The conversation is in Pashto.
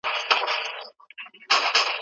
هیوادونه د چاپیریال د ساتنې لپاره ګډ مسولیت لري.